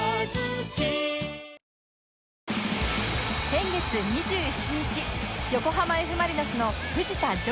先月２７日横浜 Ｆ ・マリノスの藤田譲